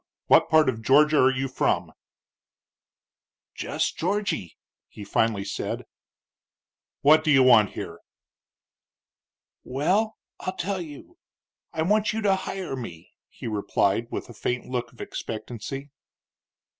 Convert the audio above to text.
What part of Georgia are you from?" "Jess Georgy," he finally said. "What do you want here?" "Well, I'll tell you. I want you to hire me," he replied, with a faint look of expectancy.